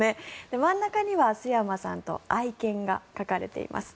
真ん中には陶山さんと愛犬が描かれています。